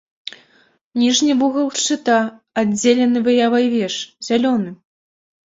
Ніжні вугал шчыта, аддзелены выявай веж, зялёны.